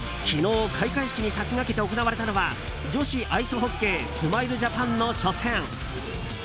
昨日、開会式に先駆けて行われたのが女子アイスホッケースマイルジャパンの初戦。